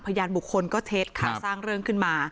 พยานบุคคลก็เท็จค่ะสร้างเรื่องขึ้นมา